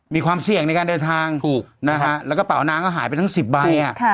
มีความเสี่ยงในการเดินทางถูกนะฮะแล้วกระเป๋านางก็หายไปทั้ง๑๐ใบ